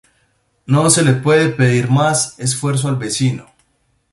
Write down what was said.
No se le puede pedir más esfuerzo al vecino.